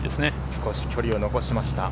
少し距離を残しました。